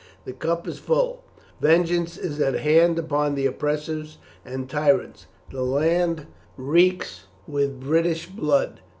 The cup is full; vengeance is at hand upon the oppressors and tyrants, the land reeks with British blood.